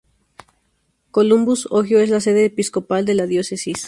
Columbus, Ohio es la sede episcopal de la diócesis.